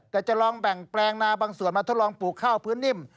แต่จะลองแบ่งแปลงนาบางส่วนมาทดลองปลูกข้าวพื้นนิ่ม